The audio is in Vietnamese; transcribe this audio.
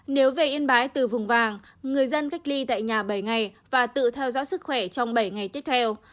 nếu về yên bái từ vùng vàng người dân cách ly tại nhà bảy ngày và tự theo dõi sức khỏe trong bảy ngày tiếp theo